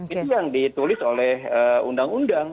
itu yang ditulis oleh undang undang